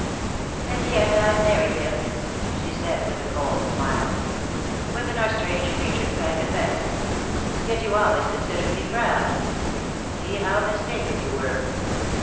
"And yet I married him," she said, with a cold smile. "Women are strange creatures, I confess. Yet you always considered me proud. See how mistaken you were!